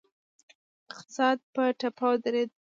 اقتصاد په ټپه ودرید.